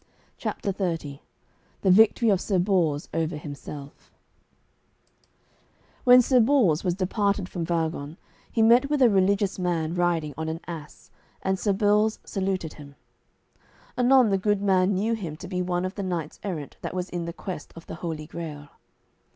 CHAPTER XXX THE VICTORY OF SIR BORS OVER HIMSELF When Sir Bors was departed from Vagon, he met with a religious man riding on an ass, and Sir Bors saluted him. Anon the good man knew him to be one of the knights errant that was in the quest of the Holy Grail.